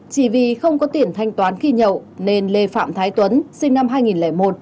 chỉ vì không có tiền thanh toán khi nhậu nên lê phạm thái tuấn sinh năm hai nghìn một